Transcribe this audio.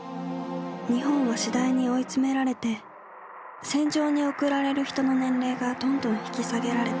日本は次第に追い詰められて戦場に送られる人の年齢がどんどん引き下げられた。